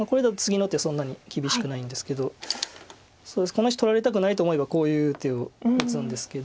この石取られたくないと思えばこういう手を打つんですけど。